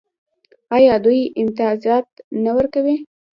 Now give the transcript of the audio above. آیا دوی امتیازات نه ورکوي؟